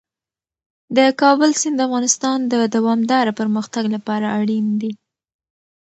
د کابل سیند د افغانستان د دوامداره پرمختګ لپاره اړین دي.